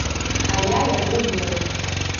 А я яму веру.